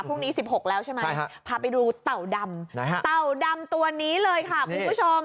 พรุ่งนี้๑๖แล้วใช่ไหมพาไปดูเต่าดำเต่าดำตัวนี้เลยค่ะคุณผู้ชม